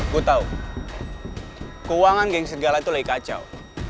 gue tau keuangan geng segala itu lagi kacau